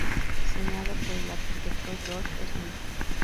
Diseñado por el arquitecto George Smith.